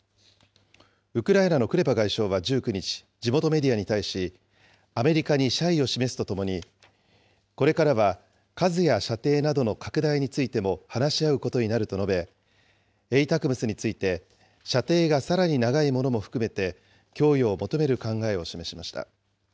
ウクライナのクレバ外相は１９日、地元メディアに対し、アメリカに謝意を示すとともに、これからは数や射程などの拡大についても話し合うことになると述べ、ＡＴＡＣＭＳについて、射程がさらに長いものも含めて供与を求める考えを示しました。